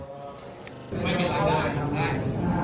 คือเพื่อนเองก็มาแสดงความอารัยกันนะครับ